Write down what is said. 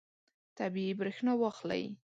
طبیعي برېښنا واخلئ.